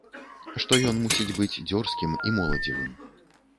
Што ён мусіць быць дзёрзкім і моладзевым.